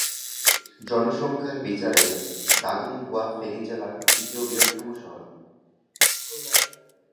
জনসংখ্যার বিচারে দাগনভূঞা ফেনী জেলার তৃতীয় বৃহত্তম শহর।